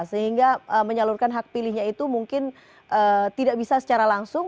sehingga menyalurkan hak pilihnya itu mungkin tidak bisa secara langsung